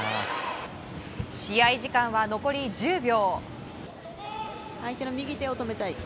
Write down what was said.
試合時間は残り１０秒。